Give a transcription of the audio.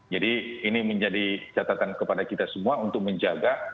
jadi ini menjadi catatan kepada kita semua untuk menjaga